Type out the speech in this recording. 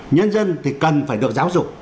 nhân dân thì cần phải được giáo dục